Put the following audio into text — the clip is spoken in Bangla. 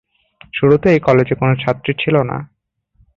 শুরুতে এই কলেজে কোন ছাত্রী ছিল না।